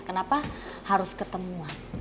kenapa harus ketemuan